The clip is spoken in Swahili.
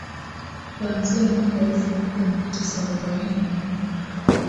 kuanzia mwaka elfu moja mia tisa arobaini na moja